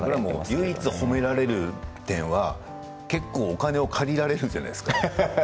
唯一、褒められる点は結構、お金を借りられるじゃないですか。